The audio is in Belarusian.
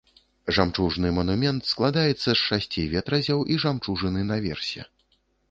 Жамчужны манумент складаецца з шасці ветразяў і жамчужыны наверсе.